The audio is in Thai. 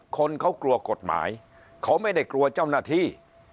คนเขากลัวกฎหมายเขาไม่ได้กลัวเจ้าหน้าที่